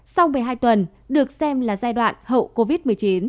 sau một mươi hai tuần được xem là giai đoạn hậu covid một mươi chín